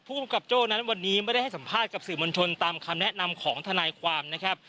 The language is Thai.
ภูมิกับโจ้นั้นวันนี้ไม่ได้ให้สัมภาษณ์กับสื่อมวลชนตามคำแนะนำของทนายความนะครับ